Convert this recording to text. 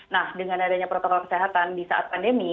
nah dengan adanya protokol kesehatan di saat pandemi